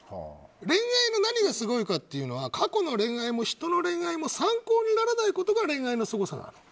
恋愛の何がすごいかって過去の恋愛も人の恋愛も参考にならないことが恋愛のすごさなの。